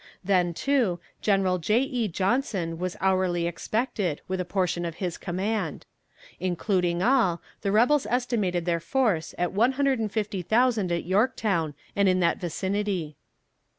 Then, too, General J. E. Johnson was hourly expected with a portion of his command. Including all, the rebels estimated their force at one hundred and fifty thousand at Yorktown and in that vicinity.